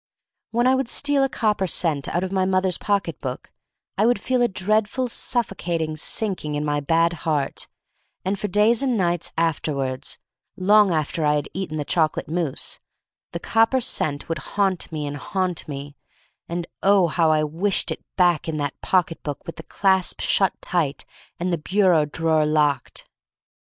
When I would steal a copper cent out of my mother's pocketbook I would feel a dreadful, suffocating sinking in my bad heart, and for days and nights afterwards — long after I had eaten the chocolate mouse — the copper cent would haunt me and haunt me, and oh, how I wished it back in that pocketbook f r I50 THE STORY OF MARY MAC LANE with the clasp shut tight and the bureau drawer locked!